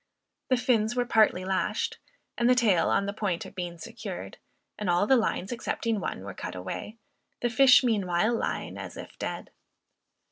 The fins were partly lashed, and the tail on the point of being secured, and all the lines excepting one, were cut away, the fish meanwhile lying as if dead.